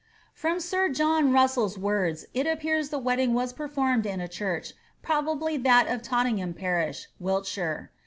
From sir John RusselPs words it appears the wedding was performed in a church, probably that of Tottingham parish, Wiltshire.